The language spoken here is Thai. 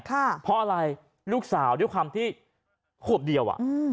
เพราะอะไรลูกสาวด้วยความที่ขวบเดียวอ่ะอืม